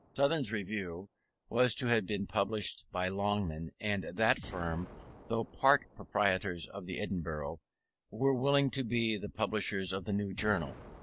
Southern's Review was to have been published by Longman, and that firm, though part proprietors of the Edinburgh, were willing to be the publishers of the new journal.